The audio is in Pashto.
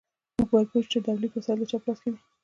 موږ باید پوه شو چې د تولید وسایل د چا په لاس کې دي.